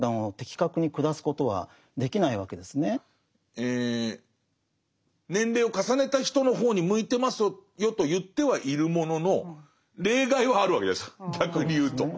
そうすると年齢を重ねた人の方に向いてますよと言ってはいるものの例外はあるわけじゃないですか